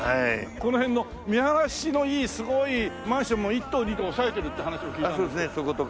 この辺の見晴らしのいいすごいマンションも１棟２棟押さえてるって話を聞いたんですが。